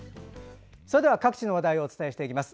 それでは、各地の話題をお伝えします。